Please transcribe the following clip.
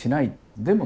でもね